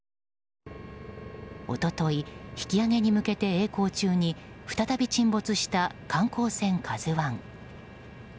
一昨日、引き揚げに向けて曳航中に再び沈没した観光船「ＫＡＺＵ１」。